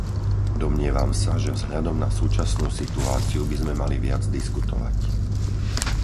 Domnievam sa, že vzhľadom na súčasnú situáciu by sme mali viac diskutovať.